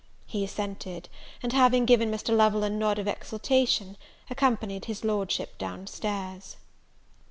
He assented; and having given Mr. Lovel a nod of exultation, accompanied his Lordship down stairs.